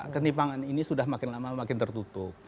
ketimpangan ini sudah makin lama makin tertutup